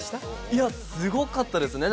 いやすごかったですね